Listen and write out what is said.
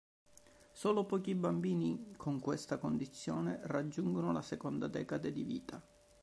Solo pochi bambini con questa condizione raggiungono la seconda decade di vita.